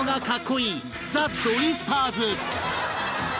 いいザ・ドリフターズ